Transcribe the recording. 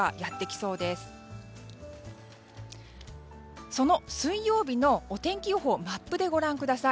その水曜日のお天気予報マップでご覧ください。